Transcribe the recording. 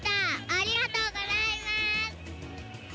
ありがとうございます。